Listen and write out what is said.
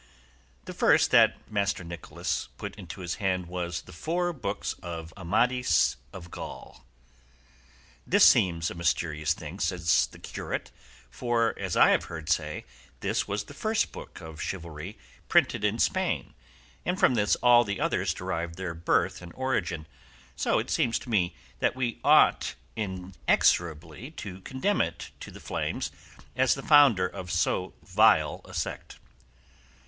The first that Master Nicholas put into his hand was "The four books of Amadis of Gaul." "This seems a mysterious thing," said the curate, "for, as I have heard say, this was the first book of chivalry printed in Spain, and from this all the others derive their birth and origin; so it seems to me that we ought inexorably to condemn it to the flames as the founder of so vile a sect."